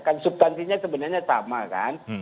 kan subtansinya sebenarnya sama kan